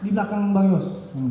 di belakang bang yos